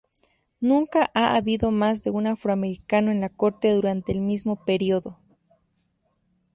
Nunca ha habido más de un afroamericano en la corte durante el mismo período.